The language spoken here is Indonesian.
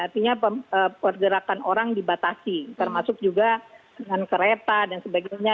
artinya pergerakan orang dibatasi termasuk juga dengan kereta dan sebagainya